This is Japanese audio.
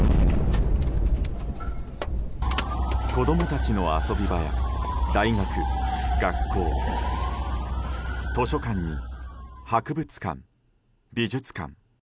子供たちの遊び場や大学、学校図書館に、博物館、美術館。